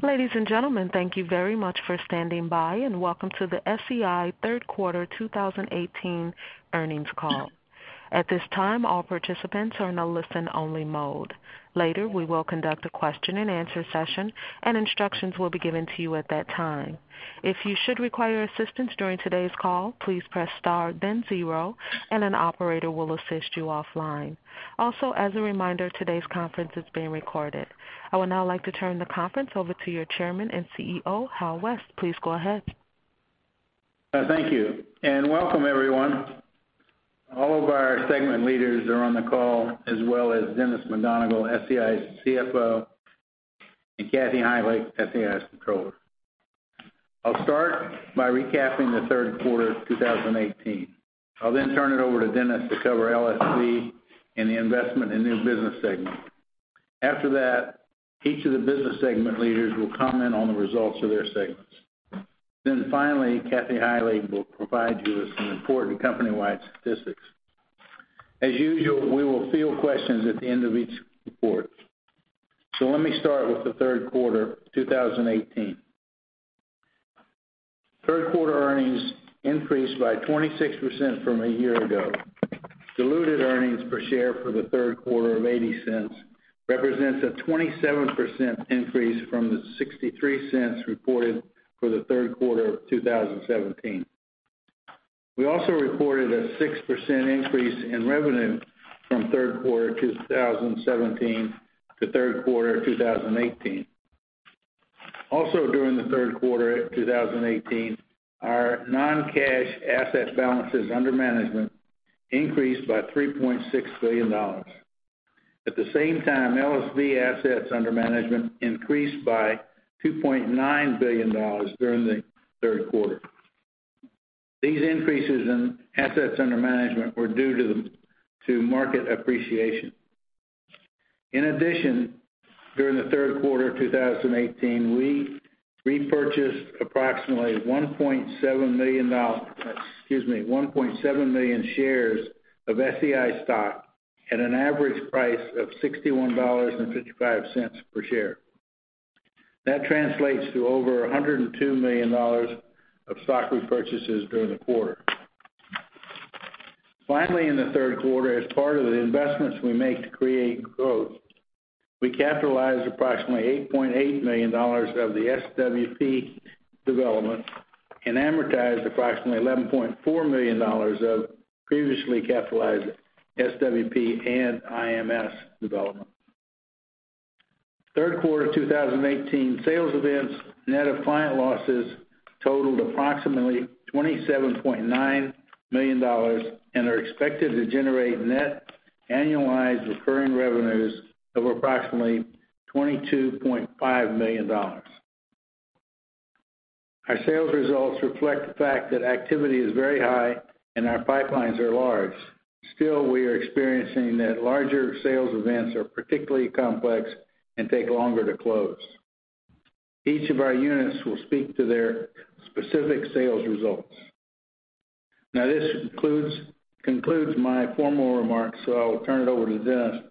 Ladies and gentlemen, thank you very much for standing by, and welcome to the SEI third quarter 2018 earnings call. At this time, all participants are in a listen-only mode. Later, we will conduct a question-and-answer session, and instructions will be given to you at that time. If you should require assistance during today's call, please press star then zero, and an operator will assist you offline. Also, as a reminder, today's conference is being recorded. I would now like to turn the conference over to your Chairman and CEO, Al West. Please go ahead. Thank you, and welcome everyone. All of our segment leaders are on the call, as well as Dennis McGonigle, SEI's CFO, and Kathy Heilig, SEI's Controller. I'll start by recapping the third quarter of 2018. I'll then turn it over to Dennis to cover LSV and the investment in new business segment. After that, each of the business segment leaders will comment on the results of their segments. Then finally, Kathy Heilig will provide you with some important company-wide statistics. As usual, we will field questions at the end of each report. Let me start with the third quarter of 2018. Third quarter earnings increased by 26% from a year ago. Diluted earnings per share for the third quarter of $0.80 represents a 27% increase from the $0.63 reported for the third quarter of 2017. We also reported a 6% increase in revenue from third quarter 2017 to third quarter 2018. Also during the third quarter of 2018, our non-cash asset balances under management increased by $3.6 billion. At the same time, LSV assets under management increased by $2.9 billion during the third quarter. These increases in assets under management were due to market appreciation. In addition, during the third quarter of 2018, we repurchased approximately 1.7 million shares of SEI stock at an average price of $61.55 per share. That translates to over $102 million of stock repurchases during the quarter. Finally, in the third quarter, as part of the investments we make to create growth, we capitalized approximately $8.8 million of the SWP development and amortized approximately $11.4 million of previously capitalized SWP and IMS development. Third quarter 2018 sales events net of client losses totaled approximately $27.9 million and are expected to generate net annualized recurring revenues of approximately $22.5 million. Our sales results reflect the fact that activity is very high and our pipelines are large. Still, we are experiencing that larger sales events are particularly complex and take longer to close. Each of our units will speak to their specific sales results. Now, this concludes my formal remarks. I will turn it over to Dennis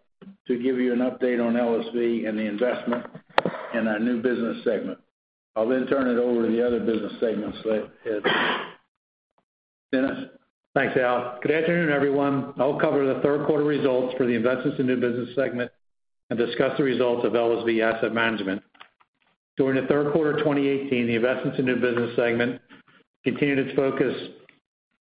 to give you an update on LSV and the investment in our new business segment. I'll then turn it over to the other business segments heads. Dennis? Thanks, Al. Good afternoon, everyone. I'll cover the third quarter results for the Investments in New Business segment and discuss the results of LSV Asset Management. During the third quarter of 2018, the Investments in New Business segment continued its focus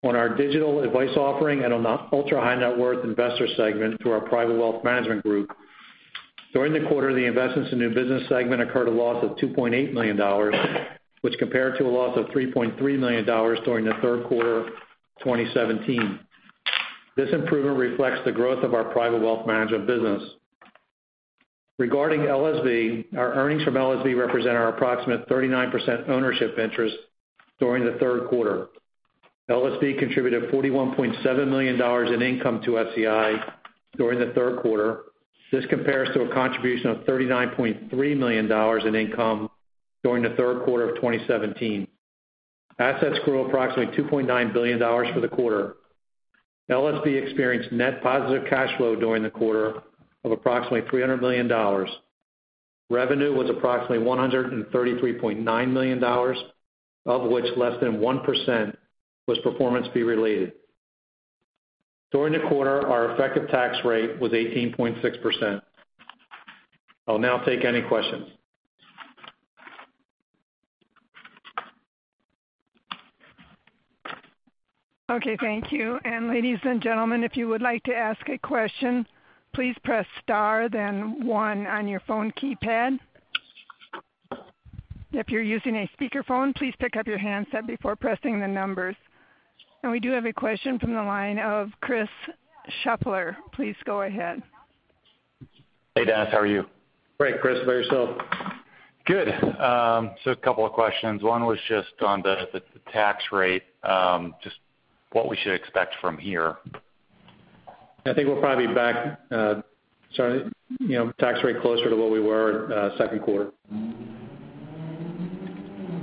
on our digital advice offering and on the ultra-high net worth investor segment through our Private Wealth Management group. During the quarter, the Investments in New Business segment incurred a loss of $2.8 million, which compared to a loss of $3.3 million during the third quarter of 2017. This improvement reflects the growth of our Private Wealth Management business. Regarding LSV, our earnings from LSV represent our approximate 39% ownership interest during the third quarter. LSV contributed $41.7 million in income to SEI during the third quarter. This compares to a contribution of $39.3 million in income during the third quarter of 2017. Assets grew approximately $2.9 billion for the quarter. LSV experienced net positive cash flow during the quarter of approximately $300 million. Revenue was approximately $133.9 million, of which less than 1% was performance fee related. During the quarter, our effective tax rate was 18.6%. I'll now take any questions. Okay, thank you. Ladies and gentlemen, if you would like to ask a question, please press star then one on your phone keypad. If you're using a speakerphone, please pick up your handset before pressing the numbers. We do have a question from the line of Chris Schaeffler. Please go ahead. Hey, Dennis, how are you? Great, Chris. Yourself? Good. A couple of questions. One was just on the tax rate, just what we should expect from here. I think we'll probably be back, starting tax rate closer to what we were second quarter.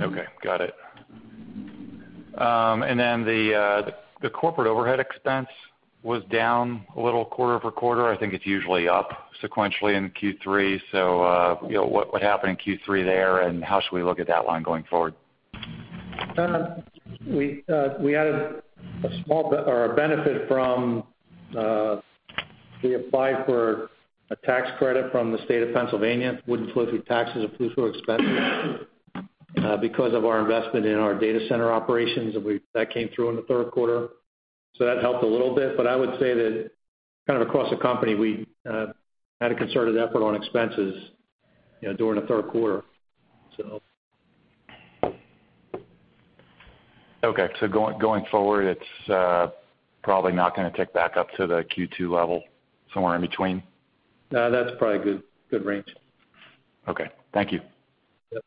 Okay, got it. The corporate overhead expense was down a little quarter-over-quarter. I think it's usually up sequentially in Q3. What happened in Q3 there, and how should we look at that line going forward? We applied for a tax credit from the State of Pennsylvania, wouldn't flow through taxes or through to expenses because of our investment in our data center operations. That came through in the third quarter. That helped a little bit. I would say that kind of across the company, we had a concerted effort on expenses during the third quarter. Okay. Going forward, it's probably not going to tick back up to the Q2 level, somewhere in between? No, that's probably a good range. Okay. Thank you. Yep.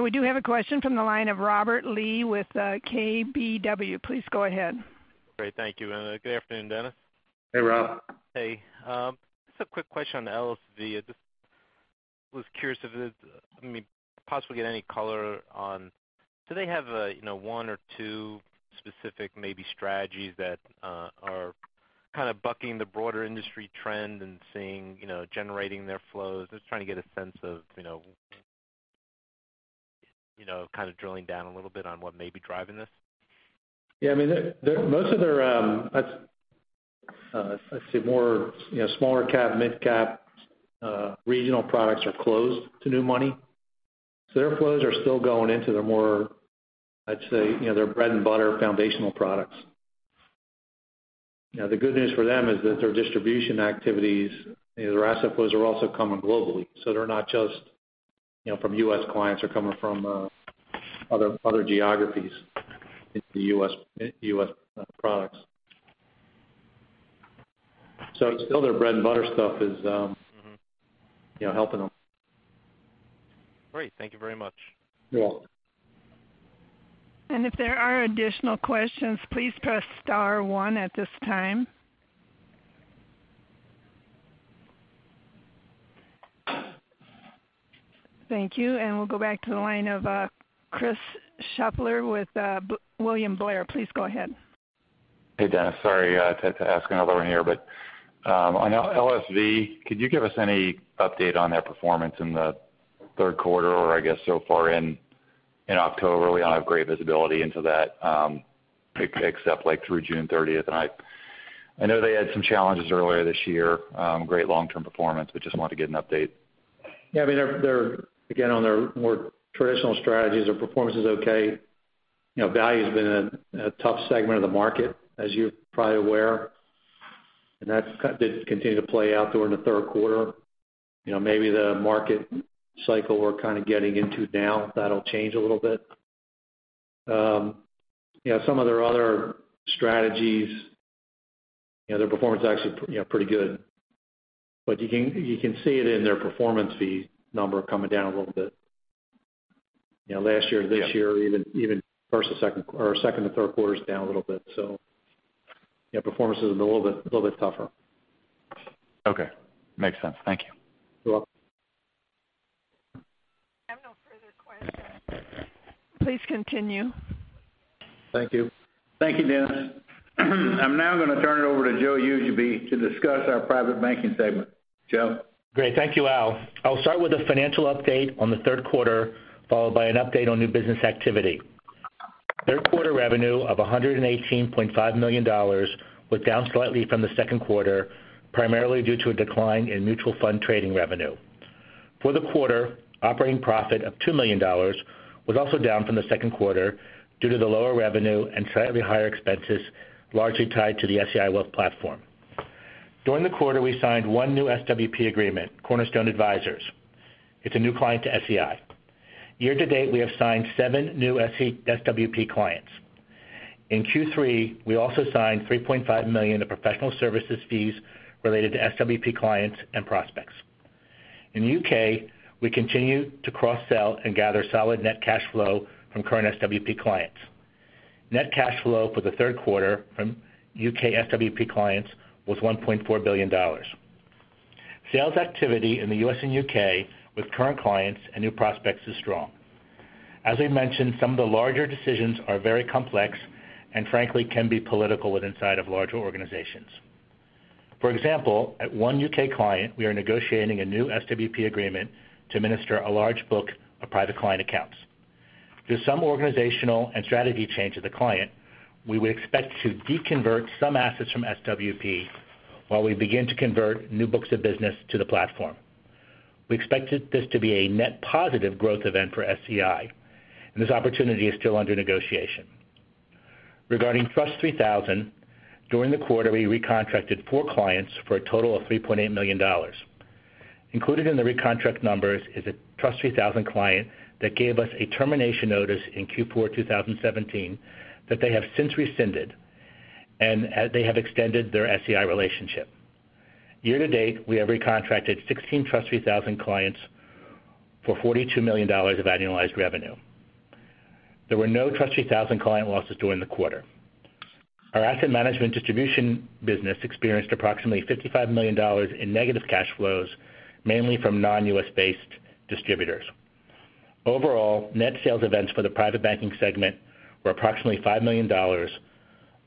We do have a question from the line of Robert Lee with KBW. Please go ahead. Great. Thank you. Good afternoon, Dennis. Hey, Rob. Hey. Just a quick question on LSV. I just was curious if, maybe, possibly get any color on, do they have one or two specific, maybe strategies that are kind of bucking the broader industry trend and seeing, generating their flows? Just trying to get a sense of kind of drilling down a little bit on what may be driving this. Yeah, most of their, let's see, more smaller-cap, mid-cap regional products are closed to new money. Their flows are still going into their more, I'd say, their bread-and-butter foundational products. Now, the good news for them is that their distribution activities, their asset flows are also coming globally. They're not just from U.S. clients. They're coming from other geographies into U.S. products. It's still their bread-and-butter stuff is- helping them. Great. Thank you very much. You're welcome. If there are additional questions, please press star one at this time. Thank you. We'll go back to the line of Chris Schaeffler with William Blair. Please go ahead. Hey, Dennis. Sorry to ask another one here, on LSV, could you give us any update on that performance in the third quarter or I guess so far in October? We don't have great visibility into that, except like through June 30th. I know they had some challenges earlier this year. Great long-term performance, just wanted to get an update. Yeah, again, on their more traditional strategies, their performance is okay. Value's been a tough segment of the market, as you're probably aware. That did continue to play out during the third quarter. Maybe the market cycle we're kind of getting into now, that'll change a little bit. Some of their other strategies, their performance is actually pretty good. You can see it in their performance fees number coming down a little bit. Last year to this year, even first to second or second to third quarter is down a little bit. Yeah, performance has been a little bit tougher. Okay. Makes sense. Thank you. You're welcome. I have no further questions. Please continue. Thank you. Thank you, Dennis. I'm now going to turn it over to Joe Ujobai to discuss our Private Banking segment. Joe? Great. Thank you, Al. I'll start with a financial update on the third quarter, followed by an update on new business activity. Third quarter revenue of $118.5 million was down slightly from the second quarter, primarily due to a decline in mutual fund trading revenue. For the quarter, operating profit of $2 million was also down from the second quarter due to the lower revenue and slightly higher expenses, largely tied to the SEI Wealth Platform. During the quarter, we signed one new SWP agreement, Cornerstone Advisors. It's a new client to SEI. Year to date, we have signed seven new SWP clients. In Q3, we also signed $3.5 million of professional services fees related to SWP clients and prospects. In the U.K., we continue to cross-sell and gather solid net cash flow from current SWP clients. Net cash flow for the third quarter from U.K. SWP clients was $1.4 billion. Sales activity in the U.S. and U.K. with current clients and new prospects is strong. As we've mentioned, some of the larger decisions are very complex and frankly can be political inside of larger organizations. For example, at one U.K. client, we are negotiating a new SWP agreement to administer a large book of private client accounts. Through some organizational and strategy change of the client, we would expect to deconvert some assets from SWP while we begin to convert new books of business to the platform. We expected this to be a net positive growth event for SEI. This opportunity is still under negotiation. Regarding TRUST 3000, during the quarter, we recontracted four clients for a total of $3.8 million. Included in the recontract numbers is a TRUST 3000 client that gave us a termination notice in Q4 2017 that they have since rescinded. They have extended their SEI relationship. Year to date, we have recontracted 16 TRUST 3000 clients for $42 million of annualized revenue. There were no TRUST 3000 client losses during the quarter. Our asset management distribution business experienced approximately $55 million in negative cash flows, mainly from non-U.S.-based distributors. Overall, net sales events for the Private Banking segment were approximately $5 million,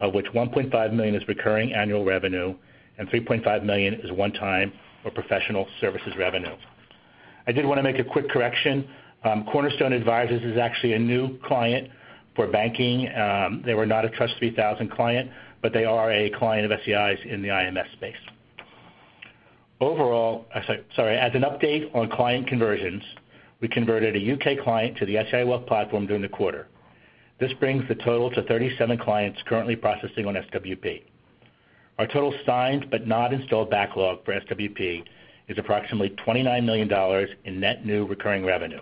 of which $1.5 million is recurring annual revenue and $3.5 million is one-time or professional services revenue. I did want to make a quick correction. Cornerstone Advisors is actually a new client for banking. They were not a TRUST 3000 client, but they are a client of SEI's in the IMS space. As an update on client conversions, we converted a U.K. client to the SEI Wealth Platform during the quarter. This brings the total to 37 clients currently processing on SWP. Our total signed but not installed backlog for SWP is approximately $29 million in net new recurring revenue.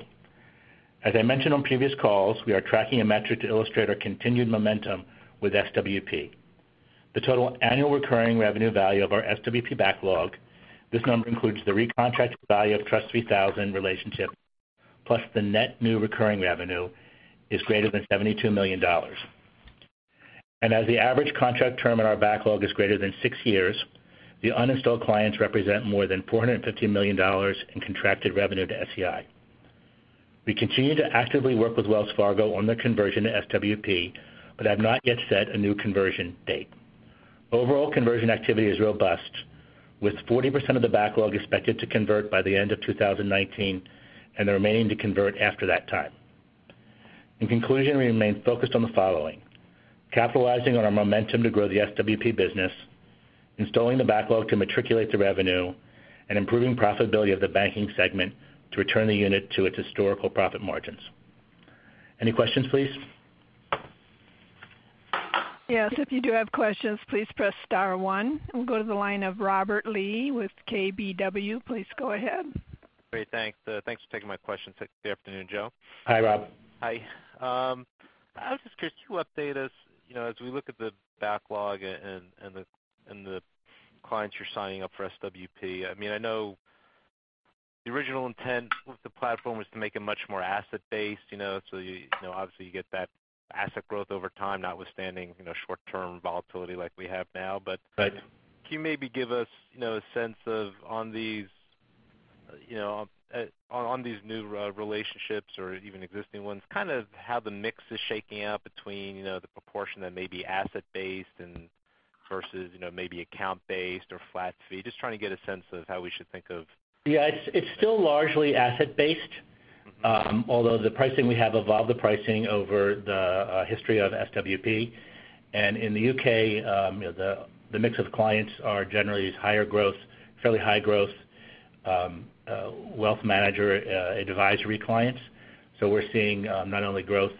As I mentioned on previous calls, we are tracking a metric to illustrate our continued momentum with SWP. The total annual recurring revenue value of our SWP backlog, this number includes the recontract value of TRUST 3000 relationship, plus the net new recurring revenue is greater than $72 million. As the average contract term in our backlog is greater than six years, the uninstalled clients represent more than $450 million in contracted revenue to SEI. We continue to actively work with Wells Fargo on the conversion to SWP but have not yet set a new conversion date. Overall conversion activity is robust, with 40% of the backlog expected to convert by the end of 2019 and the remaining to convert after that time. In conclusion, we remain focused on the following: Capitalizing on our momentum to grow the SWP business, installing the backlog to matriculate the revenue, and improving profitability of the banking segment to return the unit to its historical profit margins. Any questions, please? Yes, if you do have questions, please press star one. We'll go to the line of Robert Lee with KBW. Please go ahead. Great. Thanks for taking my question. Good afternoon, Joe. Hi, Rob. Hi. I was just curious, can you update us, as we look at the backlog and the clients you're signing up for SWP? I know the original intent with the platform was to make it much more asset-based. Obviously you get that asset growth over time, notwithstanding short-term volatility like we have now. Right. Can you maybe give us a sense of on these new relationships or even existing ones, how the mix is shaking out between the proportion that may be asset-based versus maybe account-based or flat fee? Yeah. It's still largely asset-based. Although the pricing, we have evolved the pricing over the history of SWP. In the U.K., the mix of clients are generally fairly high growth wealth manager advisory clients. We're seeing not only growth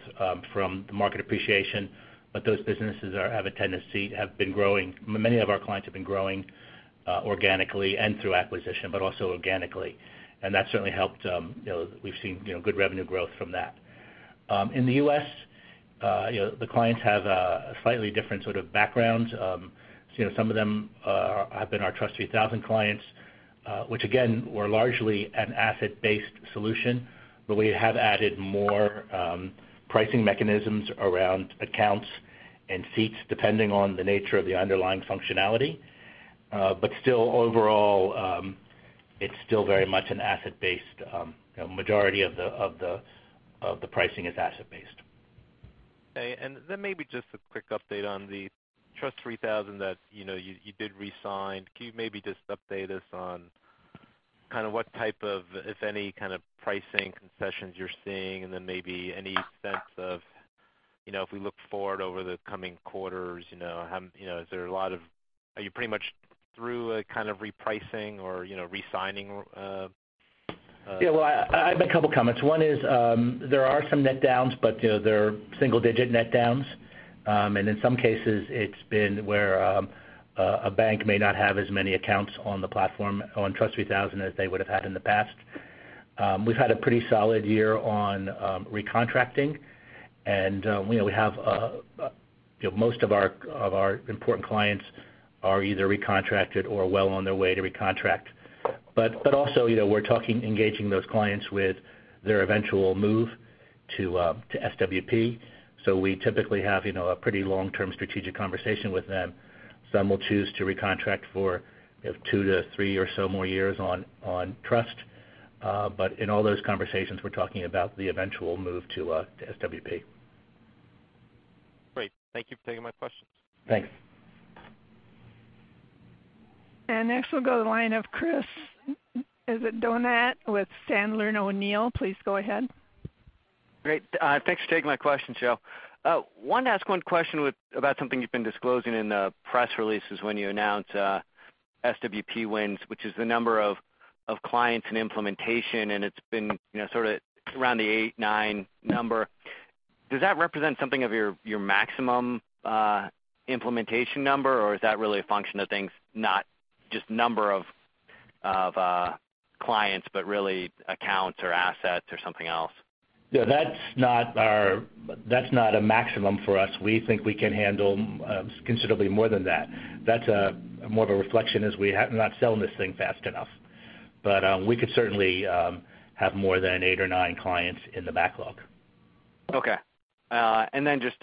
from the market appreciation, but those businesses have a tendency to have been growing. Many of our clients have been growing organically and through acquisition, but also organically. That certainly helped. We've seen good revenue growth from that. In the U.S., the clients have a slightly different sort of background. Some of them have been our TRUST 3000 clients. Which again, were largely an asset-based solution, but we have added more pricing mechanisms around accounts and seats depending on the nature of the underlying functionality. Still overall, it's still very much an asset-based. A majority of the pricing is asset-based. Okay. Then maybe just a quick update on the TRUST 3000 that you did re-sign. Can you maybe just update us on what type of, if any, pricing concessions you're seeing? Then maybe any sense of if we look forward over the coming quarters, are you pretty much through a kind of repricing or re-signing? Yeah. I have a couple of comments. One is, there are some net downs, but they're single-digit net downs. In some cases, it's been where a bank may not have as many accounts on the platform on TRUST 3000 as they would have had in the past. We've had a pretty solid year on recontracting, and most of our important clients are either recontracted or well on their way to recontract. Also, we're engaging those clients with their eventual move to SWP. We typically have a pretty long-term strategic conversation with them. Some will choose to recontract for two to three or so more years on TRUST. In all those conversations, we're talking about the eventual move to SWP. Great. Thank you for taking my questions. Thanks. Next we'll go to the line of Chris. Is it Donat with Sandler O'Neill? Please go ahead. Great. Thanks for taking my question, Joe. Wanted to ask one question about something you've been disclosing in the press releases when you announce SWP wins, which is the number of clients and implementation, it's been sort of around the eight, nine number. Does that represent something of your maximum implementation number, or is that really a function of things, not just number of clients, but really accounts or assets or something else? No, that's not a maximum for us. We think we can handle considerably more than that. That's more of a reflection as we have not selling this thing fast enough. We could certainly have more than eight or nine clients in the backlog. Okay. Just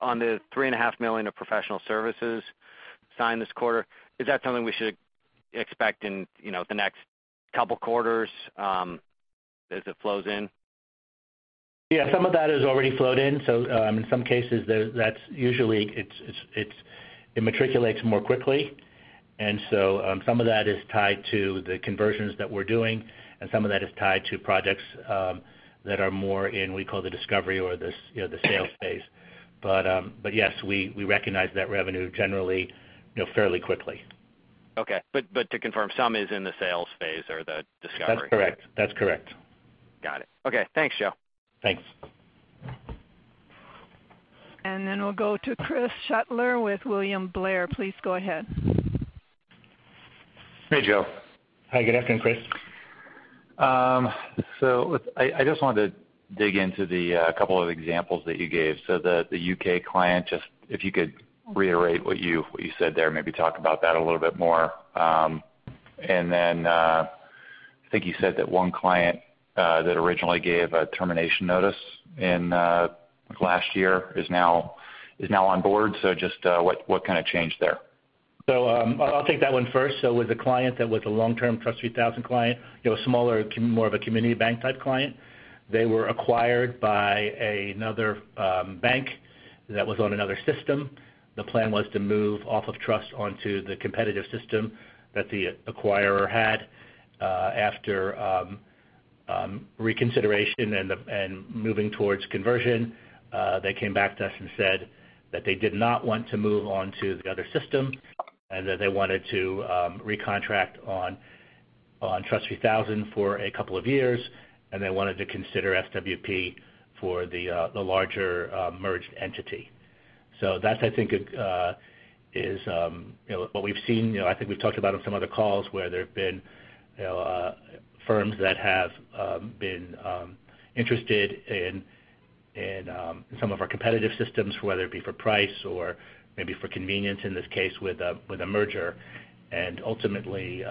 on the $3.5 million of professional services signed this quarter, is that something we should expect in the next couple quarters as it flows in? Yeah, some of that has already flowed in. In some cases, usually it matriculates more quickly. Some of that is tied to the conversions that we're doing, and some of that is tied to projects that are more in, we call the discovery or the sales phase. Yes, we recognize that revenue generally fairly quickly. Okay. To confirm, some is in the sales phase or the discovery? That's correct. Got it. Okay. Thanks, Joe. Thanks. Then we'll go to Chris Shutler with William Blair. Please go ahead. Hey, Joe. Hi. Good afternoon, Chris. I just wanted to dig into the couple of examples that you gave. The U.K. client, just if you could reiterate what you said there, maybe talk about that a little bit more. Then, I think you said that one client that originally gave a termination notice in last year is now on board. Just what kind of change there? I'll take that one first. It was a client that was a long-term TRUST 3000 client. It was smaller, more of a community bank type client. They were acquired by another bank that was on another system. The plan was to move off of TRUST onto the competitive system that the acquirer had. After reconsideration and moving towards conversion, they came back to us and said that they did not want to move on to the other system, and that they wanted to recontract on TRUST 3000 for a couple of years, and they wanted to consider SWP for the larger merged entity. That I think is what we've seen. I think we've talked about on some other calls where there have been firms that have been interested in some of our competitive systems, whether it be for price or maybe for convenience, in this case, with a merger. Ultimately,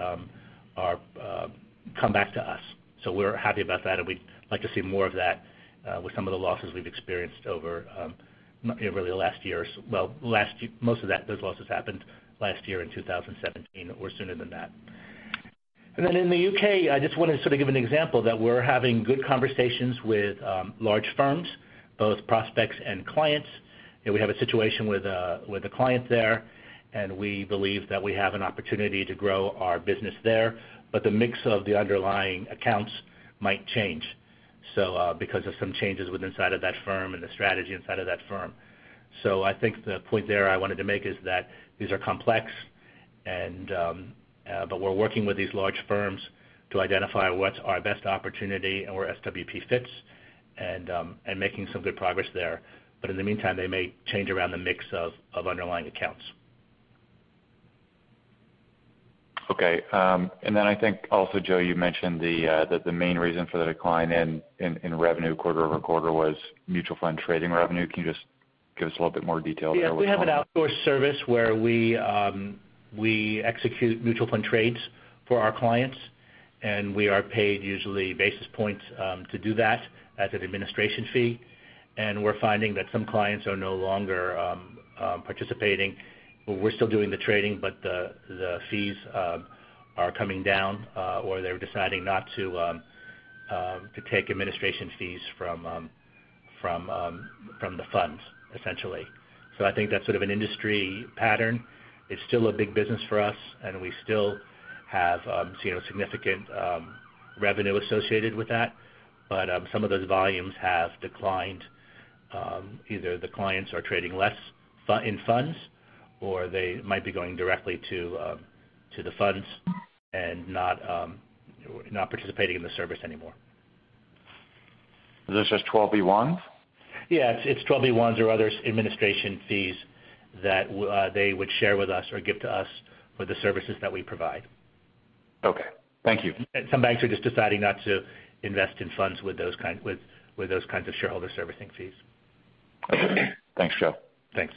come back to us. We're happy about that, and we'd like to see more of that with some of the losses we've experienced over really last year. Most of those losses happened last year in 2017 or sooner than that. In the U.K., I just want to sort of give an example that we're having good conversations with large firms, both prospects and clients. We have a situation with a client there, and we believe that we have an opportunity to grow our business there. The mix of the underlying accounts might change. Because of some changes inside of that firm and the strategy inside of that firm. I think the point there I wanted to make is that these are complex, but we're working with these large firms to identify what's our best opportunity and where SWP fits and making some good progress there. In the meantime, they may change around the mix of underlying accounts. Okay. I think also, Joe, you mentioned that the main reason for the decline in revenue quarter-over-quarter was mutual fund trading revenue. Can you just give us a little bit more detail there? Yeah. We have an outdoor service where we execute mutual fund trades for our clients, and we are paid usually basis points to do that as an administration fee. We're finding that some clients are no longer participating. We're still doing the trading, but the fees are coming down. They're deciding not to take administration fees from the funds, essentially. I think that's sort of an industry pattern. It's still a big business for us, and we still have significant revenue associated with that. Some of those volumes have declined. Either the clients are trading less in funds, or they might be going directly to the funds and not participating in the service anymore. Is this just 12b-1s? Yeah. It's 12b-1s or other administration fees that they would share with us or give to us for the services that we provide. Okay. Thank you. Some banks are just deciding not to invest in funds with those kinds of shareholder servicing fees. Okay. Thanks, Joe. Thanks.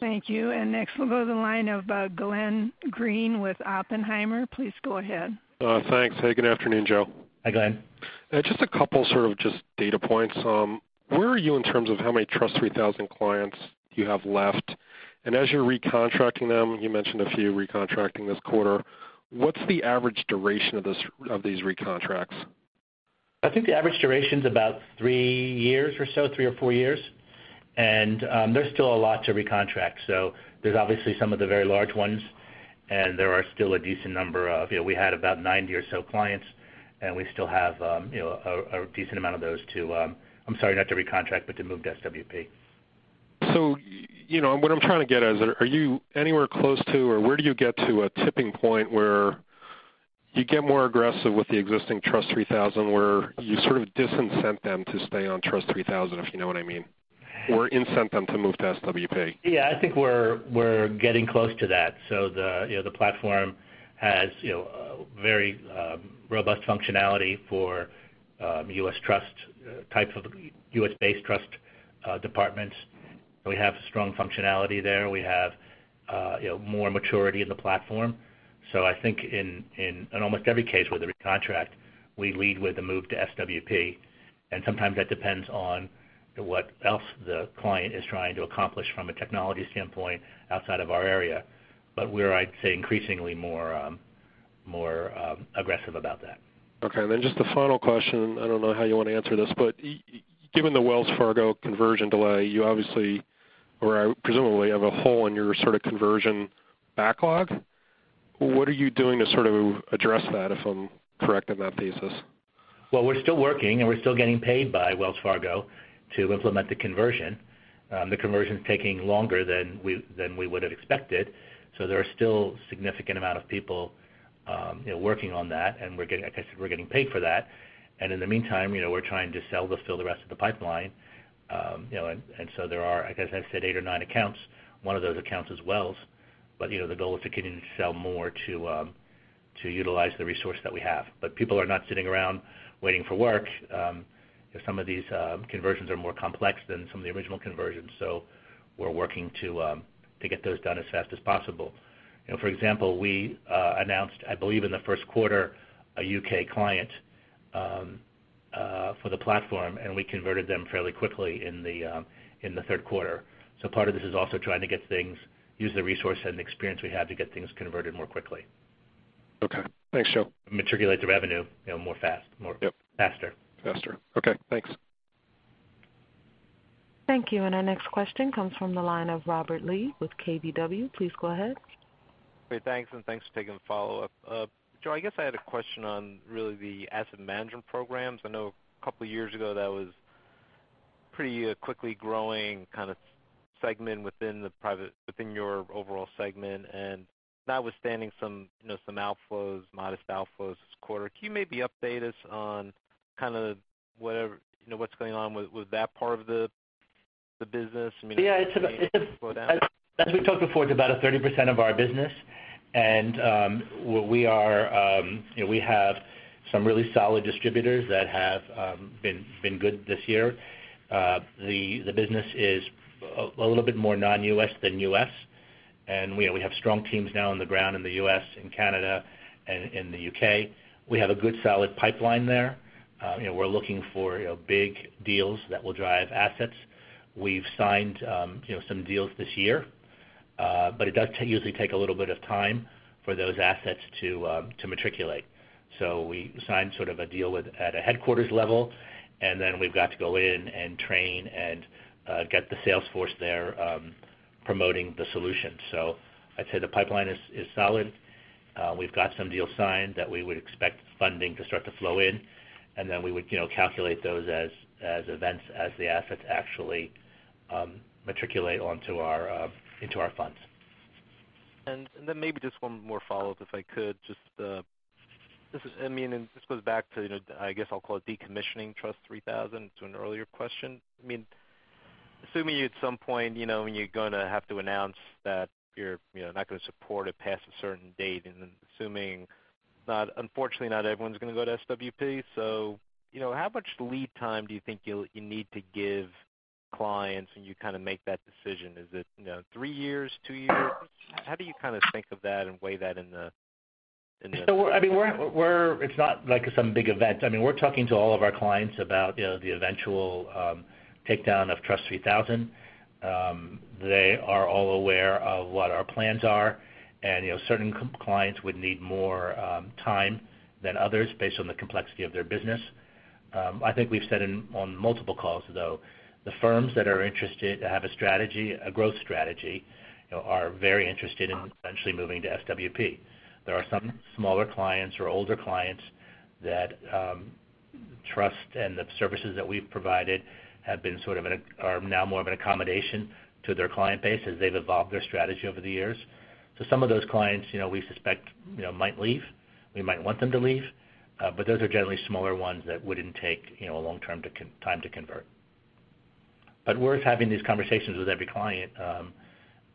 Thank you. Next we'll go to the line of Glenn Greene with Oppenheimer. Please go ahead. Thanks. Hey, good afternoon, Joe. Hi, Glenn. Just a couple sort of just data points. Where are you in terms of how many TRUST 3000 clients you have left? As you're recontracting them, you mentioned a few recontracting this quarter, what's the average duration of these recontracts? I think the average duration's about three years or so, three or four years. There's still a lot to recontract. There's obviously some of the very large ones. We had about 90 or so clients, we still have a decent amount of those to, I'm sorry, not to recontract, but to move to SWP. What I'm trying to get at is, are you anywhere close to or where do you get to a tipping point where you get more aggressive with the existing TRUST 3000, where you sort of disincent them to stay on TRUST 3000, if you know what I mean? Incent them to move to SWP. Yeah, I think we're getting close to that. The platform has very robust functionality for US Trust type of U.S.-based trust departments. We have strong functionality there. We have more maturity in the platform. I think in almost every case where there is a contract, we lead with a move to SWP, sometimes that depends on what else the client is trying to accomplish from a technology standpoint outside of our area. We're, I'd say, increasingly more aggressive about that. Okay. Just the final question, I don't know how you want to answer this, given the Wells Fargo conversion delay, you obviously, or presumably, have a hole in your sort of conversion backlog. What are you doing to sort of address that, if I'm correct on that basis? Well, we're still working, we're still getting paid by Wells Fargo to implement the conversion. The conversion's taking longer than we would have expected. There are still significant amount of people working on that, we're getting paid for that. In the meantime, we're trying to sell to fill the rest of the pipeline. There are, I guess as I said, eight or nine accounts. One of those accounts is Wells. The goal is to continue to sell more to utilize the resource that we have. People are not sitting around waiting for work. Some of these conversions are more complex than some of the original conversions, we're working to get those done as fast as possible. For example, we announced, I believe, in the first quarter, a U.K. client for the platform, we converted them fairly quickly in the third quarter. Part of this is also trying to use the resource and experience we have to get things converted more quickly. Okay. Thanks, Joe. Matriculate the revenue more faster. Faster. Okay, thanks. Thank you. Our next question comes from the line of Robert Lee with KBW. Please go ahead. Great. Thanks. Thanks for taking the follow-up. Joe, I guess I had a question on really the asset management programs. I know a couple of years ago that was pretty quickly growing kind of segment within your overall segment. Notwithstanding some outflows, modest outflows this quarter, can you maybe update us on kind of what's going on with that part of the business? Yeah. As we've talked before, it's about 30% of our business. We have some really solid distributors that have been good this year. The business is a little bit more non-U.S. than U.S. We have strong teams now on the ground in the U.S., in Canada, and in the U.K. We have a good solid pipeline there. We're looking for big deals that will drive assets. We've signed some deals this year. It does usually take a little bit of time for those assets to matriculate. We signed sort of a deal at a headquarters level, and then we've got to go in and train and get the sales force there promoting the solution. I'd say the pipeline is solid. We've got some deals signed that we would expect funding to start to flow in. We would calculate those as events as the assets actually matriculate into our funds. Maybe just one more follow-up, if I could. This goes back to, I guess I'll call it decommissioning TRUST 3000 to an earlier question. Assuming at some point you're going to have to announce that you're not going to support it past a certain date, and then assuming, unfortunately, not everyone's going to go to SWP, how much lead time do you think you need to give clients when you kind of make that decision? Is it three years, two years? How do you kind of think of that and weigh that in the- It's not like some big event. We're talking to all of our clients about the eventual takedown of TRUST 3000. They are all aware of what our plans are. Certain clients would need more time than others based on the complexity of their business. I think we've said on multiple calls, though, the firms that are interested to have a growth strategy are very interested in eventually moving to SWP. There are some smaller clients or older clients that TRUST and the services that we've provided are now more of an accommodation to their client base as they've evolved their strategy over the years. Some of those clients we suspect might leave. We might want them to leave. Those are generally smaller ones that wouldn't take a long time to convert. We're having these conversations with every client,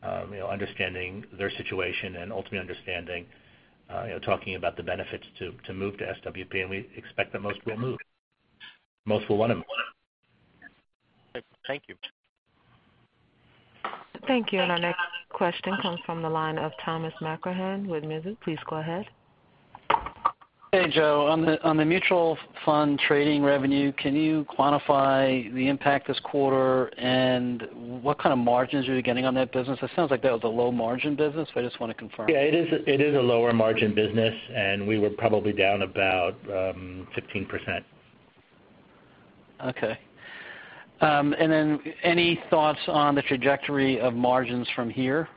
understanding their situation and ultimately talking about the benefits to move to SWP, and we expect that most will move. Most will want to move. Thank you. Thank you. Our next question comes from the line of Thomas McCrohan with Mizuho. Please go ahead. Hey, Joe. On the mutual fund trading revenue, can you quantify the impact this quarter, and what kind of margins are you getting on that business? It sounds like that was a low margin business, I just want to confirm. It is a lower margin business. We were probably down about 15%. Okay. Any thoughts on the trajectory of margins from here?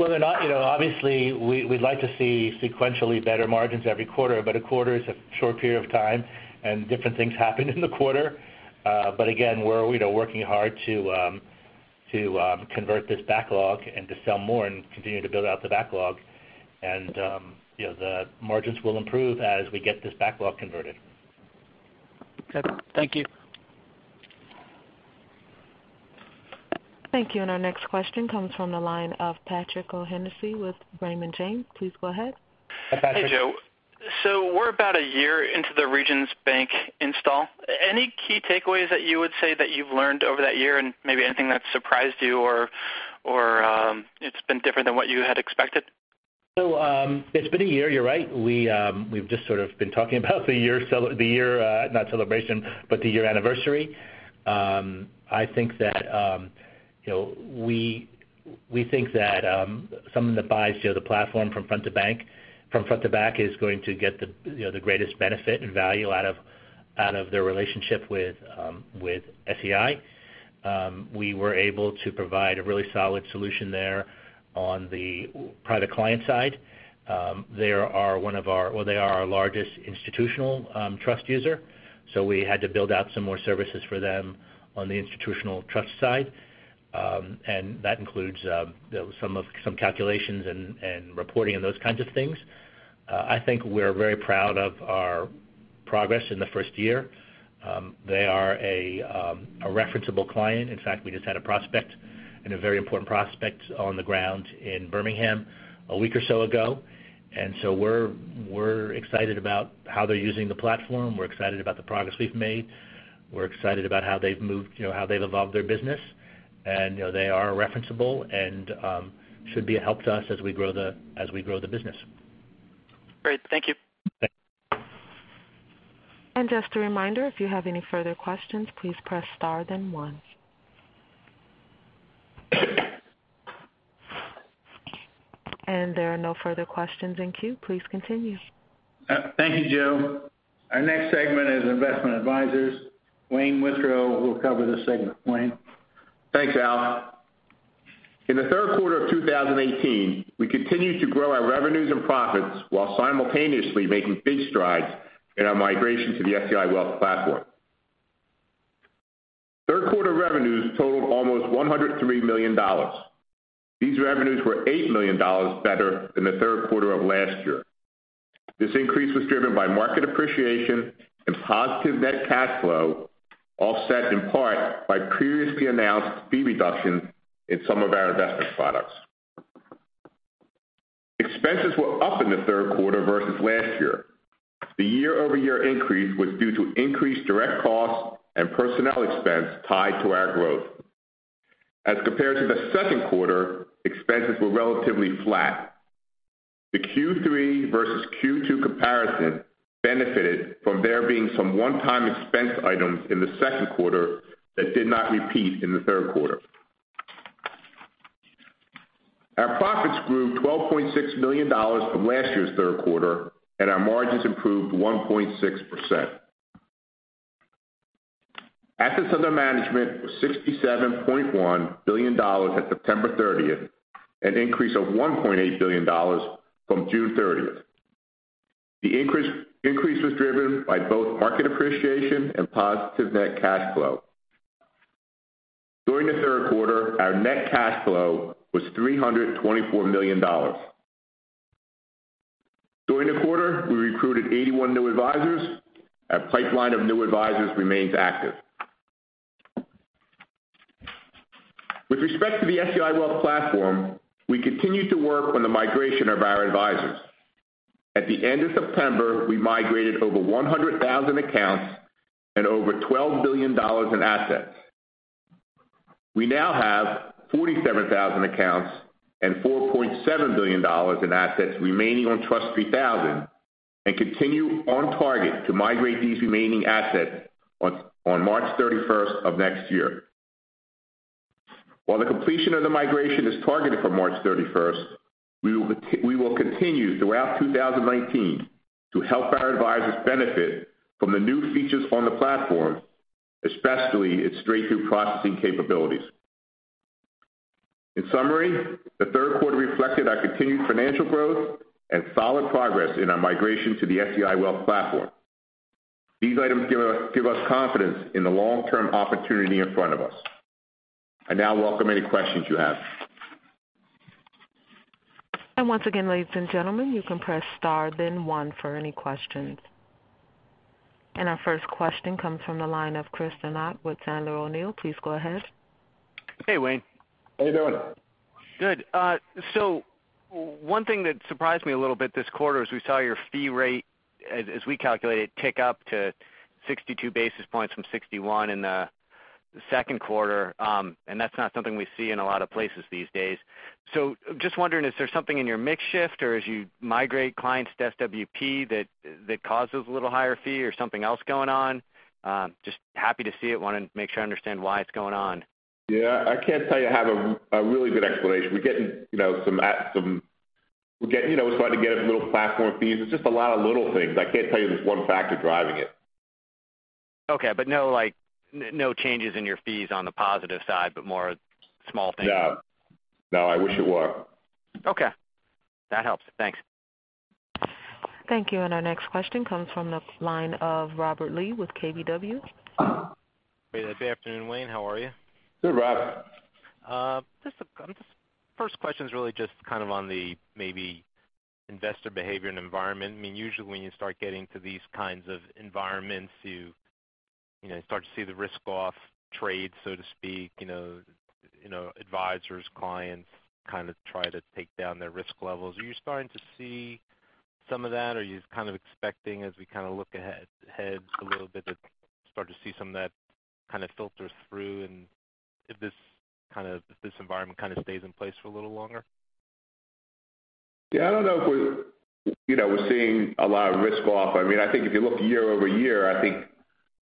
Obviously, we'd like to see sequentially better margins every quarter. A quarter is a short period of time and different things happened in the quarter. Again, we're working hard to convert this backlog and to sell more and continue to build out the backlog. The margins will improve as we get this backlog converted. Okay. Thank you. Thank you. Our next question comes from the line of Patrick O'Shaughnessy with Raymond James. Please go ahead. Hey, Patrick. We're about a year into the Regions Bank install. Any key takeaways that you would say that you've learned over that year and maybe anything that surprised you or it's been different than what you had expected? It's been a year, you're right. We've just sort of been talking about the year, not celebration, but the year anniversary. We think that someone that buys the platform from front to back is going to get the greatest benefit and value out of their relationship with SEI. We were able to provide a really solid solution there on the private client side. They are our largest institutional trust user, so we had to build out some more services for them on the institutional trust side. That includes some calculations and reporting and those kinds of things. I think we're very proud of our progress in the first year. They are a referenceable client. In fact, we just had a prospect and a very important prospect on the ground in Birmingham a week or so ago. We're excited about how they're using the platform. We're excited about the progress we've made. We're excited about how they've evolved their business. They are referenceable and should be a help to us as we grow the business. Great. Thank you. Thanks. Just a reminder, if you have any further questions, please press star then one. There are no further questions in queue. Please continue. Thank you, Jill. Our next segment is investment advisors. Wayne Withrow will cover this segment. Wayne? Thanks, Al. In the third quarter of 2018, we continued to grow our revenues and profits while simultaneously making big strides in our migration to the SEI Wealth Platform. Third quarter revenues totaled almost $103 million. These revenues were $8 million better than the third quarter of last year. This increase was driven by market appreciation and positive net cash flow, offset in part by previously announced fee reductions in some of our investment products. Expenses were up in the third quarter versus last year. The year-over-year increase was due to increased direct costs and personnel expense tied to our growth. As compared to the second quarter, expenses were relatively flat. The Q3 versus Q2 comparison benefited from there being some one-time expense items in the second quarter that did not repeat in the third quarter. Our profits grew $12.6 million from last year's third quarter, and our margins improved 1.6%. Assets under management was $67.1 billion at September 30th, an increase of $1.8 billion from June 30th. The increase was driven by both market appreciation and positive net cash flow. During the third quarter, our net cash flow was $324 million. During the quarter, we recruited 81 new advisors. Our pipeline of new advisors remains active. With respect to the SEI Wealth Platform, we continued to work on the migration of our advisors. At the end of September, we migrated over 100,000 accounts and over $12 billion in assets. We now have 47,000 accounts and $4.7 billion in assets remaining on TRUST 3000 and continue on target to migrate these remaining assets on March 31st of next year. While the completion of the migration is targeted for March 31st, we will continue throughout 2019 to help our advisors benefit from the new features on the platform, especially its straight-through processing capabilities. In summary, the third quarter reflected our continued financial growth and solid progress in our migration to the SEI Wealth Platform. These items give us confidence in the long-term opportunity in front of us. I now welcome any questions you have. Once again, ladies and gentlemen, you can press star then one for any questions. Our first question comes from the line of Chris Donat with Sandler O'Neill. Please go ahead. Hey, Wayne. How are you doing? Good. One thing that surprised me a little bit this quarter is we saw your fee rate, as we calculate it, tick up to 62 basis points from 61 in the second quarter, and that's not something we see in a lot of places these days. Just wondering, is there something in your mix shift or as you migrate clients to SWP that causes a little higher fee or something else going on? Just happy to see it, I want to make sure I understand why it's going on. Yeah, I can't tell you I have a really good explanation. We're starting to get little platform fees. It's just a lot of little things. I can't tell you there's one factor driving it. Okay. No changes in your fees on the positive side, but more small things. No. No, I wish it were. Okay. That helps. Thanks. Thank you. Our next question comes from the line of Robert Lee with KBW. Good afternoon, Wayne. How are you? Good, Rob. First question's really just on the maybe investor behavior and environment. Usually when you start getting to these kinds of environments, you start to see the risk-off trade, so to speak, advisors, clients kind of try to take down their risk levels. Are you starting to see some of that? Are you kind of expecting as we look ahead a little bit to start to see some of that kind of filters through and if this environment stays in place for a little longer? Yeah, I don't know if we're seeing a lot of risk-off. I think if you look year-over-year, I think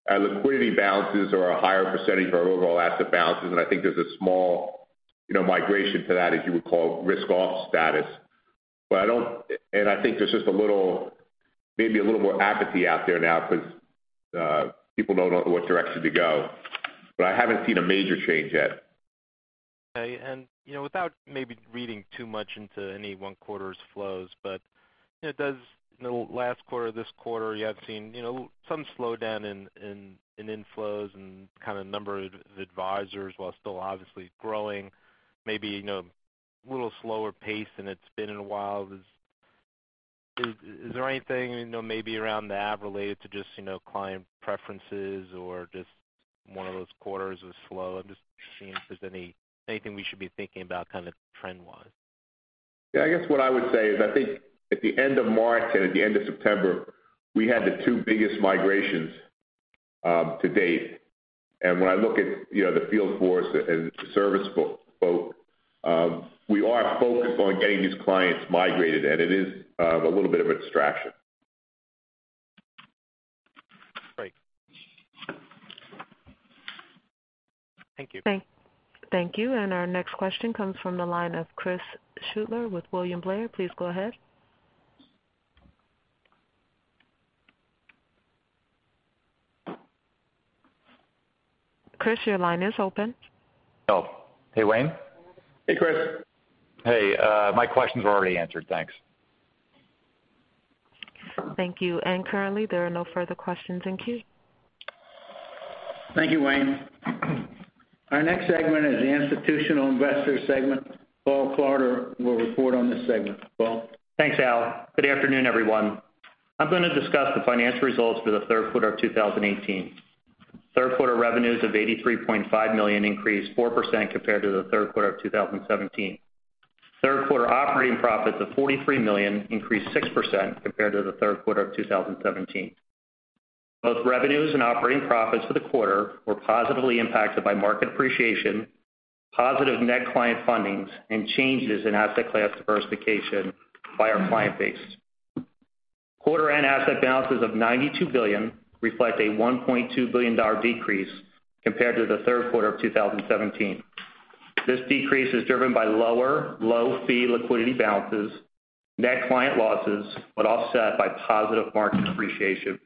our liquidity balances are a higher % of our overall asset balances, and I think there's a small migration to that as you would call risk-off status. I think there's just maybe a little more apathy out there now because people don't know what direction to go. I haven't seen a major change yet. Okay. Without maybe reading too much into any one quarter's flows, but does last quarter, this quarter, you have seen some slowdown in inflows and kind of number of advisors while still obviously growing, maybe a little slower pace than it's been in a while. Is there anything maybe around that related to just client preferences or just one of those quarters was slow? I am just seeing if there is anything we should be thinking about kind of trend-wise. Yeah, I guess what I would say is I think at the end of March and at the end of September, we had the two biggest migrations to date. When I look at the field force and the service folks, we are focused on getting these clients migrated, and it is a little bit of a distraction. Great. Thank you. Thank you. Our next question comes from the line of Chris Schaeffler with William Blair. Please go ahead. Chris, your line is open. Oh, hey Wayne. Hey Chris. Hey, my questions were already answered. Thanks. Thank you. Currently there are no further questions in queue. Thank you, Wayne. Our next segment is the institutional investor segment. Paul Klauder will report on this segment. Paul? Thanks, Al. Good afternoon, everyone. I'm going to discuss the financial results for the third quarter of 2018. Third quarter revenues of $83.5 million increased 4% compared to the third quarter of 2017. Third quarter operating profits of $43 million increased 6% compared to the third quarter of 2017. Both revenues and operating profits for the quarter were positively impacted by market appreciation, positive net client fundings, and changes in asset class diversification by our client base. Quarter end asset balances of $92 billion reflect a $1.2 billion decrease compared to the third quarter of 2017. This decrease is driven by lower low-fee liquidity balances, net client losses, offset by positive market appreciation.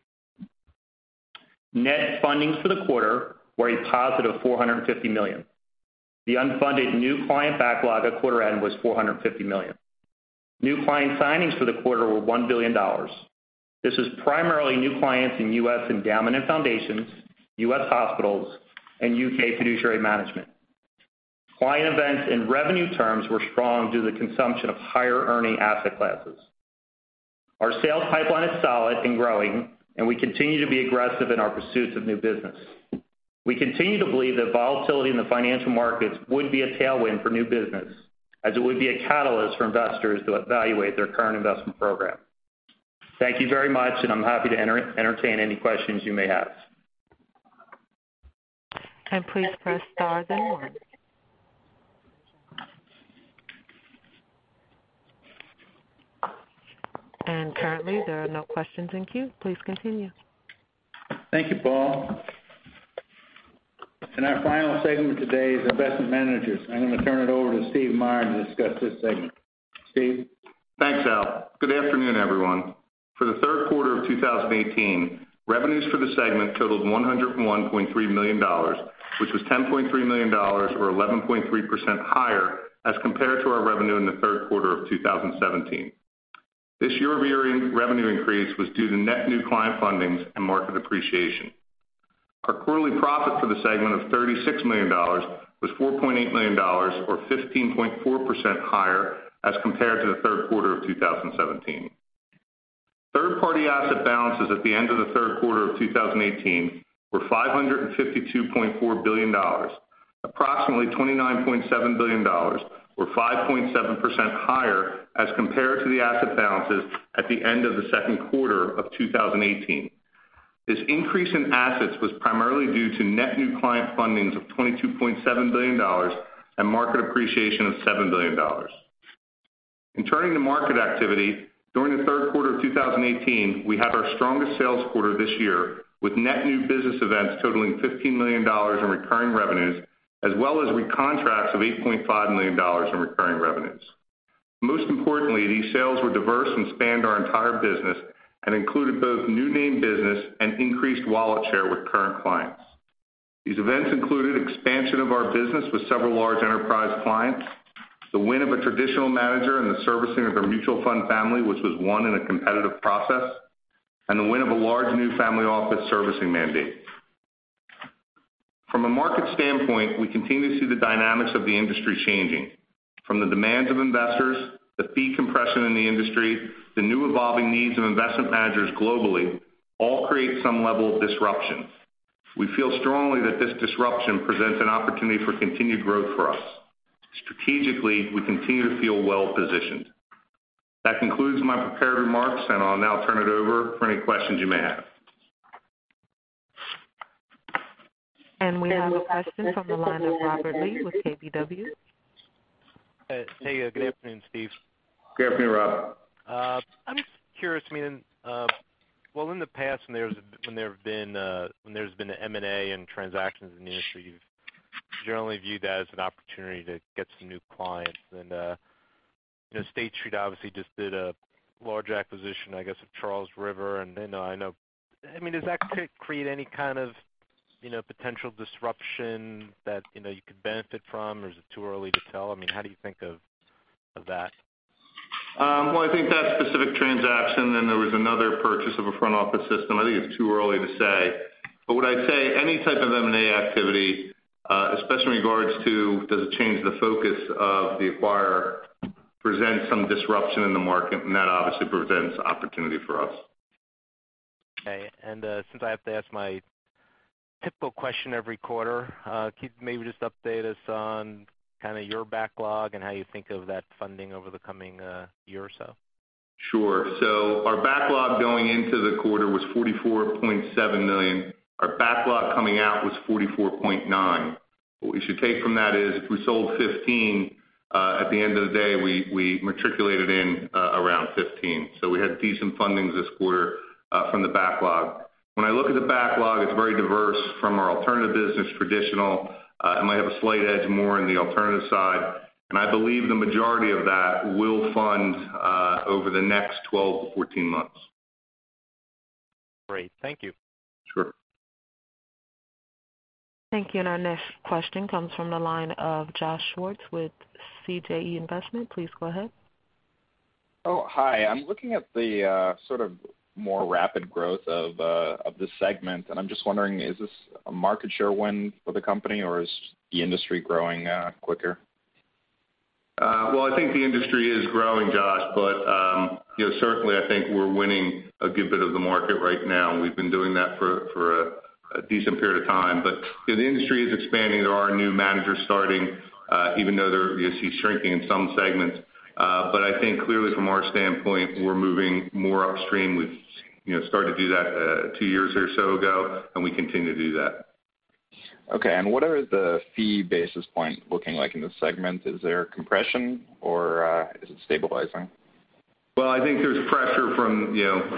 Net fundings for the quarter were a positive $450 million. The unfunded new client backlog at quarter end was $450 million. New client signings for the quarter were $1 billion. This is primarily new clients in U.S. endowment and foundations, U.S. hospitals, and U.K. fiduciary management. Client events in revenue terms were strong due to the consumption of higher earning asset classes. Our sales pipeline is solid and growing, we continue to be aggressive in our pursuit of new business. We continue to believe that volatility in the financial markets would be a tailwind for new business, as it would be a catalyst for investors to evaluate their current investment program. Thank you very much, and I'm happy to entertain any questions you may have. Please press star then one. Currently there are no questions in queue. Please continue. Thank you, Paul. Our final segment today is Investment Managers. I'm going to turn it over to Stephen Meyer to discuss this segment. Steve? Thanks, Al. Good afternoon, everyone. For the third quarter of 2018, revenues for the segment totaled $101.3 million, which was $10.3 million, or 11.3% higher as compared to our revenue in the third quarter of 2017. This year-over-year revenue increase was due to net new client fundings and market appreciation. Our quarterly profit for the segment of $36 million was $4.8 million or 15.4% higher as compared to the third quarter of 2017. Third-party asset balances at the end of the third quarter of 2018 were $552.4 billion, approximately $29.7 billion or 5.7% higher as compared to the asset balances at the end of the second quarter of 2018. This increase in assets was primarily due to net new client fundings of $22.7 billion and market appreciation of $7 billion. Turning to market activity, during the third quarter of 2018, we had our strongest sales quarter this year with net new business events totaling $15 million in recurring revenues, as well as recontracts of $8.5 million in recurring revenues. Most importantly, these sales were diverse and spanned our entire business and included both new name business and increased wallet share with current clients. These events included expansion of our business with several large enterprise clients, the win of a traditional manager in the servicing of a mutual fund family, which was won in a competitive process, and the win of a large new family office servicing mandate. From a market standpoint, we continue to see the dynamics of the industry changing. From the demands of investors, the fee compression in the industry, the new evolving needs of Investment Managers globally, all create some level of disruption. We feel strongly that this disruption presents an opportunity for continued growth for us. Strategically, we continue to feel well-positioned. That concludes my prepared remarks, and I'll now turn it over for any questions you may have. We have a question from the line of Robert Lee with KBW. Hey. Good afternoon, Steve. Good afternoon, Rob. I'm just curious. In the past, when there's been an M&A and transactions in the industry, you've generally viewed that as an opportunity to get some new clients. State Street obviously just did a large acquisition, I guess, of Charles River. Does that create any kind of potential disruption that you could benefit from, or is it too early to tell? How do you think of that? I think that specific transaction, and there was another purchase of a front-office system. I think it's too early to say. What I'd say, any type of M&A activity, especially in regards to does it change the focus of the acquirer, presents some disruption in the market, and that obviously presents opportunity for us. Okay. Since I have to ask my typical question every quarter, can you maybe just update us on your backlog and how you think of that funding over the coming year or so? Sure. Our backlog going into the quarter was $44.7 million. Our backlog coming out was $44.9. What we should take from that is if we sold 15, at the end of the day, we matriculated in around 15. We had decent fundings this quarter from the backlog. When I look at the backlog, it's very diverse from our alternative business, traditional. I might have a slight edge more on the alternative side, and I believe the majority of that will fund over the next 12 to 14 months. Great. Thank you. Sure. Thank you. Our next question comes from the line of Joshua with CGE Investments. Please go ahead. Oh, hi. I'm looking at the more rapid growth of the segment, and I'm just wondering, is this a market share win for the company, or is the industry growing quicker? Well, I think the industry is growing, Josh. Certainly, I think we're winning a good bit of the market right now, and we've been doing that for a decent period of time. The industry is expanding. There are new managers starting, even though you see shrinking in some segments. I think clearly from our standpoint, we're moving more upstream. We've started to do that two years or so ago, and we continue to do that. Okay. What are the fee basis points looking like in this segment? Is there compression or is it stabilizing?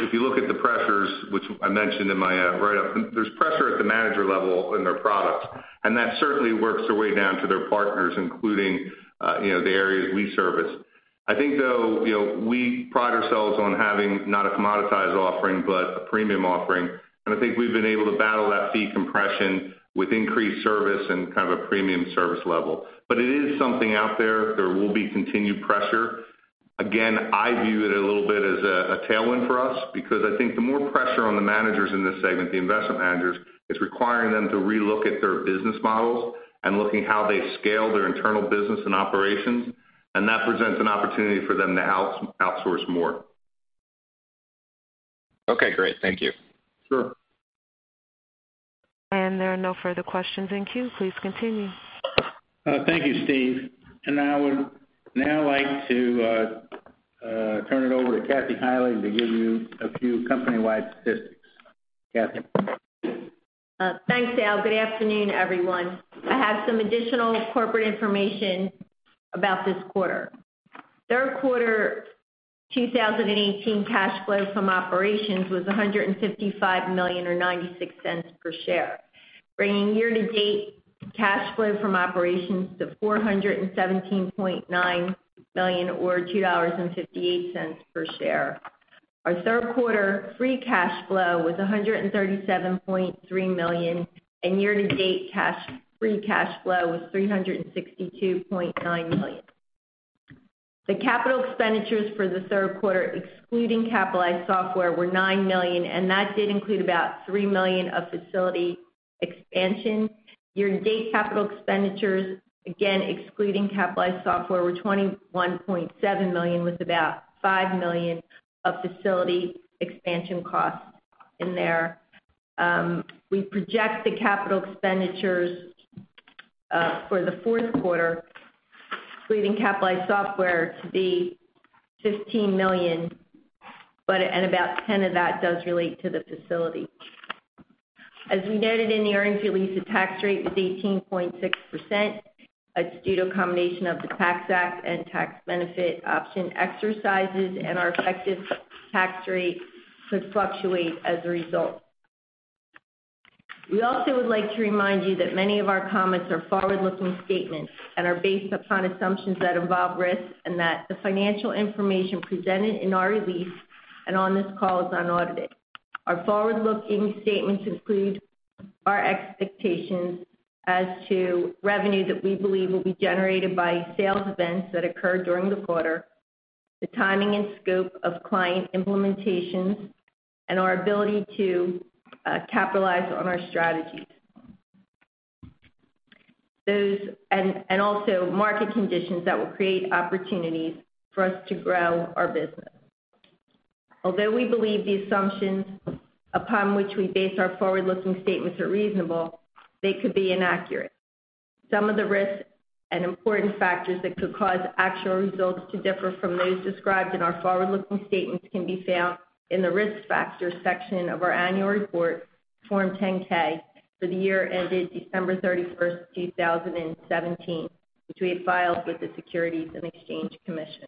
If you look at the pressures, which I mentioned in my write-up, there's pressure at the manager level in their products, that certainly works their way down to their partners, including the areas we service. I think, though, we pride ourselves on having not a commoditized offering, but a premium offering. I think we've been able to battle that fee compression with increased service and a premium service level. It is something out there. There will be continued pressure. Again, I view it a little bit as a tailwind for us because I think the more pressure on the managers in this segment, the investment managers, it's requiring them to relook at their business models and looking how they scale their internal business and operations, that presents an opportunity for them to outsource more. Okay, great. Thank you. Sure. There are no further questions in queue. Please continue. Thank you, Steve. I would now like to turn it over to Kathy Heilig to give you a few company-wide statistics. Kathy? Thanks, Al. Good afternoon, everyone. I have some additional corporate information about this quarter. Third quarter 2018 cash flow from operations was $155 million, or $0.96 per share, bringing year-to-date cash flow from operations to $417.9 million, or $2.58 per share. Our third quarter free cash flow was $137.3 million, and year-to-date free cash flow was $362.9 million. The capital expenditures for the third quarter, excluding capitalized software, were $9 million, and that did include about $3 million of facility expansion. Year-to-date capital expenditures, again, excluding capitalized software, were $21.7 million, with about $5 million of facility expansion costs in there. We project the capital expenditures for the fourth quarter, excluding capitalized software, to be $15 million, and about $10 million of that does relate to the facility. As we noted in the earnings release, the tax rate was 18.6%. That's due to a combination of the Tax Act and tax benefit option exercises. Our effective tax rate could fluctuate as a result. We also would like to remind you that many of our comments are forward-looking statements and are based upon assumptions that involve risk. That the financial information presented in our release and on this call is unaudited. Our forward-looking statements include our expectations as to revenue that we believe will be generated by sales events that occurred during the quarter, the timing and scope of client implementations, and our ability to capitalize on our strategies. Also market conditions that will create opportunities for us to grow our business. Although we believe the assumptions upon which we base our forward-looking statements are reasonable, they could be inaccurate. Some of the risks and important factors that could cause actual results to differ from those described in our forward-looking statements can be found in the Risk Factors section of our annual report, Form 10-K, for the year ended December 31st, 2017, which we have filed with the Securities and Exchange Commission.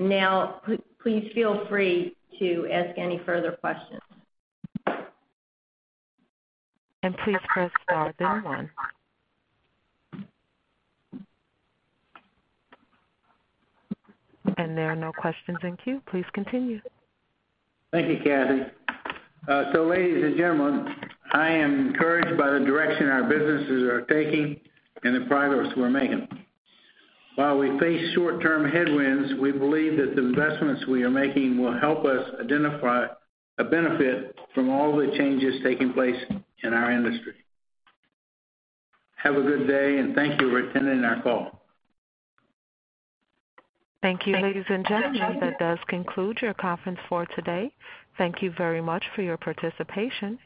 Now, please feel free to ask any further questions. Please press star then one. There are no questions in queue. Please continue. Thank you, Kathy. Ladies and gentlemen, I am encouraged by the direction our businesses are taking and the progress we're making. While we face short-term headwinds, we believe that the investments we are making will help us identify a benefit from all the changes taking place in our industry. Have a good day, and thank you for attending our call. Thank you, ladies and gentlemen. That does conclude your conference for today. Thank you very much for your participation.